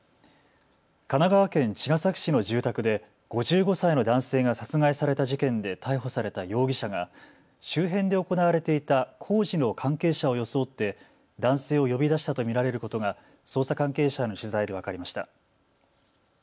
神奈川県茅ヶ崎市の住宅で５５歳の男性が殺害された事件で逮捕された容疑者が周辺で行われていた工事の関係者を装って男性を呼び出したと見られることが捜査関係者への取材で分かりました。